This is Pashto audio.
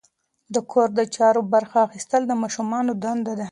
د کور د چارو برخه اخیستل د ماشومانو دنده ده.